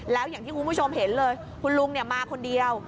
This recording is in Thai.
แล้วอย่างที่คุณผู้ชมเห็นเลยคุณลุงมาคนเดียว